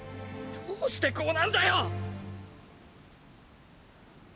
どうしてこうなんだよ